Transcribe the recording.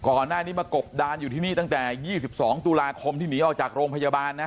ก่อนหน้านี้มากบดานอยู่ที่นี่ตั้งแต่๒๒ตุลาคมที่หนีออกจากโรงพยาบาลนะ